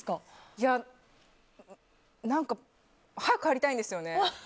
いや、何か早く帰りたいんですよね。